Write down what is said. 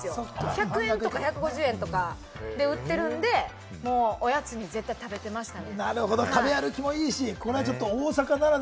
１００円とか１５０円とかで売ってるんで、おやつに絶対食べてましたね。